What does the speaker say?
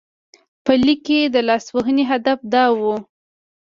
په لیک کې د لاسوهنې هدف دا و.